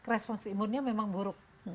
respons imunnya memang buruk